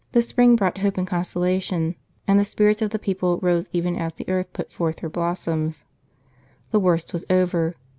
The spring brought hope and consolation, and the spirits of the people rose even as the earth put forth her blossoms. The worst was over.